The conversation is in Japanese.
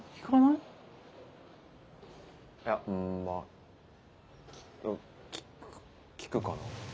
いやまぁ聞く聞くかな？